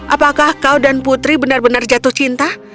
apakah kau dan putri benar benar jatuh cinta